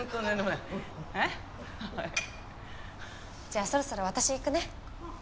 じゃあそろそろ私行くね。